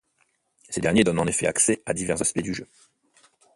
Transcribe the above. Ces derniers donnent en effet accès à divers aspects du jeu.